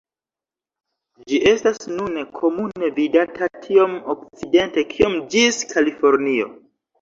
Ĝi estas nune komune vidata tiom okcidente kiom ĝis Kalifornio.